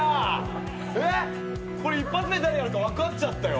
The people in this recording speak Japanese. これ一発目誰やるか分かっちゃったよ。